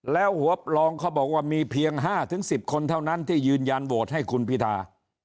แล้วหัวปลองเขาบอกว่ามีเพียง๕๑๐คนเท่านั้นที่ยืนยันโหวตให้คุณพิธา